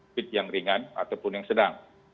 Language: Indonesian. dan juga yang ringan ataupun yang sedang